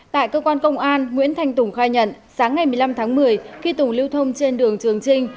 tại cơ quan công an nguyễn thanh tùng khai nhận sáng ngày một mươi năm tháng một mươi khi tùng lưu thông trên đường trường trinh